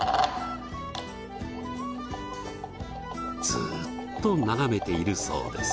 ずーっと眺めているそうです。